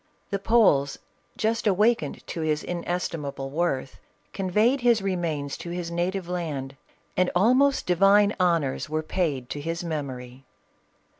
The Poles just awakened to his inestimable worth, conveyed his remains to his native land, and almost divina honors were paid to his memory.